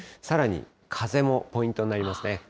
さらに風もポイントになりますね。